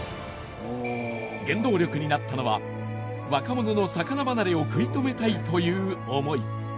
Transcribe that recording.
原動力になったのは若者の魚離れを食い止めたいという思い。